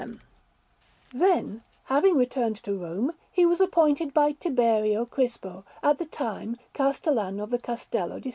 Milan: Brera) Alinari] Then, having returned to Rome, he was appointed by Tiberio Crispo, at that time Castellan of the Castello di S.